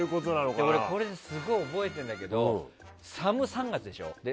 俺、これすごい覚えてるんだけど３月でしょ？